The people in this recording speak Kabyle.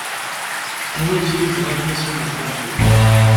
Anwa i k-yifen a mmi-s n umeṛkanti?